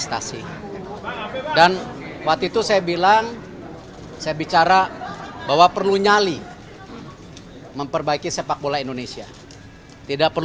terima kasih sampai jumpa